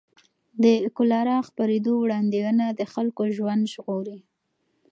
د کولرا خپرېدو وړاندوینه د خلکو ژوند ژغوري.